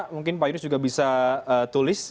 mungkin pak yunus juga bisa tulis